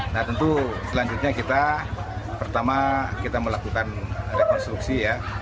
nah tentu selanjutnya kita pertama kita melakukan rekonstruksi ya